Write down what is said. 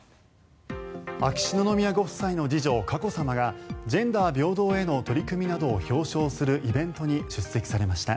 秋篠宮ご夫妻の次女佳子さまがジェンダー平等への取り組みなどを表彰するイベントに出席されました。